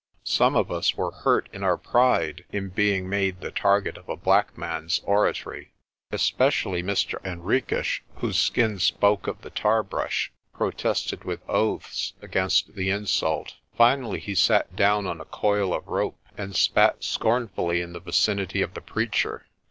Some of us were hurt in our pride in being made the target of a black man's oratory. Especially Mr. Henriques, whose skin spoke of the tar brush, protested with oaths against the insult. Finally he sat down on a coil of rope, and spat scornfully in the vicinity of the preacher.